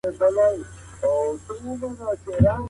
دغه قانون باید په پښتو کي نافذ سي.